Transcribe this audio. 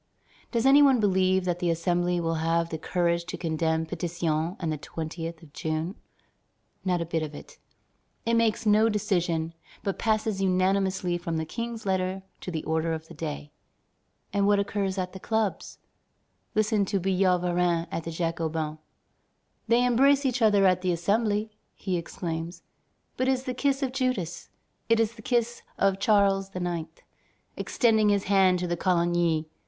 Does any one believe that the Assembly will have the courage to condemn Pétion and the 20th of June? Not a bit of it. It makes no decision, but passes unanimously from the King's letter to the order of the day. And what occurs at the clubs? Listen to Billaud Varennes at the Jacobins: "They embrace each other at the Assembly," he exclaims; "it is the kiss of Judas, it is the kiss of Charles IX., extending his hand to Coligny.